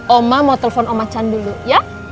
oma mau telepon oma chan dulu ya